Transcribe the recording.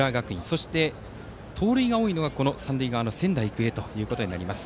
そして、盗塁が多いのが三塁側、仙台育英となります。